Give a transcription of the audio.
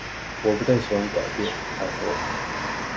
“我不太喜欢改变，”他说。